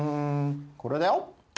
これだよ。